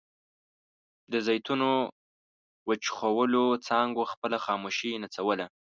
د زیتونو وچخولو څانګو خپله خاموشي نڅوله.